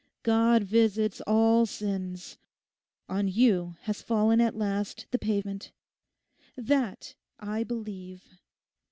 God visits all sins. On you has fallen at last the payment. That I believe.